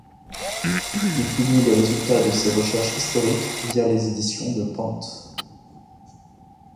Ils publient les résultats de ces recherches historiques via les Éditions de Penthes.